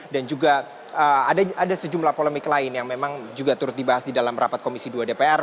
dan juga ada sejumlah polemik lain yang memang juga turut dibahas di dalam rapat komisi dua dpr